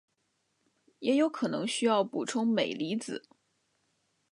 也可能需要补充镁离子。